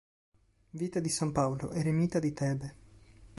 Vita di san Paolo, eremita di Tebe.